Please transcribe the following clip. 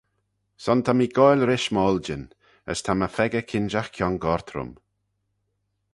Son ta mee goaill-rish m'oiljyn: as ta my pheccah kinjagh kiongoyrt rhym.